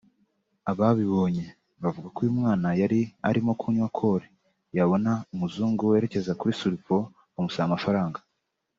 Ababibonye bavuga ko uyu mwana yari arimo kunywa kore yabona umuzungu werekezaga kuri Sulfo amusaba amafaranga